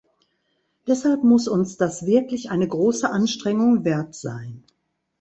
Deshalb muss uns das wirklich eine große Anstrengung wert sein.